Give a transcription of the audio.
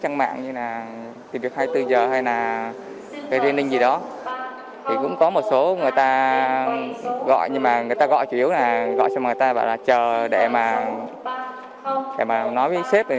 người ta gọi nhưng mà người ta gọi chủ yếu là gọi xong rồi người ta bảo là chờ để mà nói với sếp